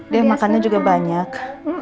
dia makannya juga banyak